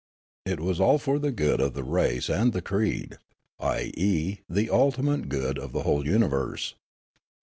It was all for the good of the race and the creed, i. e., the ultimate good of the whole universe.